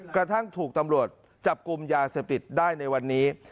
กระทั่งถูกตำรวจจับกลุ่มยาเสพติดได้ในวันนี้